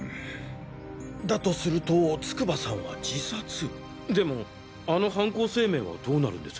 だとすると筑波さんは自殺？でもあの犯行声明はどうなるんです？